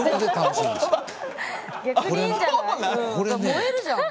燃えるじゃん。